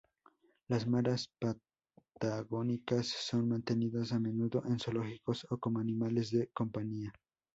Las maras patagónicas son mantenidas a menudo en zoológicos o como animales de compañía.